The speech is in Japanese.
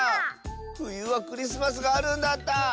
ふゆはクリスマスがあるんだった。